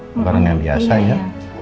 makanan yang biasanya